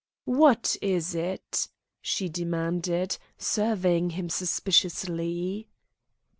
"What is it?" she demanded, surveying him suspiciously.